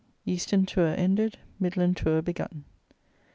EASTERN TOUR ENDED, MIDLAND TOUR BEGUN.